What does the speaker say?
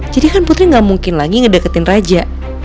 jadi kan putri gak mungkin lagi ngedeketin raja